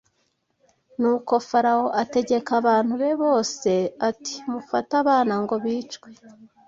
Nuko Farawo ategeka abantu be bose ati mufate abana ngo bicwe